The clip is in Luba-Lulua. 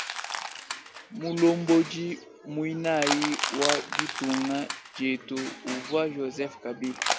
Mulombodi muinayi wa ditunga dietu uvu joseph kabila.